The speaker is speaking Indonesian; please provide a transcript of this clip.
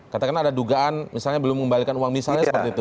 katakanlah ada dugaan misalnya belum mengembalikan uang misalnya seperti itu